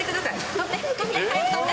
取って、早く取って。